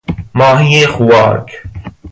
ماهی خوارک